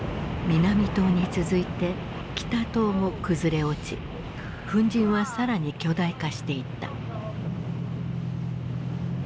南棟に続いて北棟も崩れ落ち粉じんは更に巨大化していった。